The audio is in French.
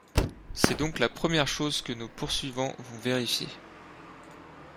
c'est donc la première chose que nos poursuivants vont vérifier.